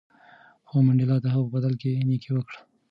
خو منډېلا د هغه په بدل کې نېکي وکړه.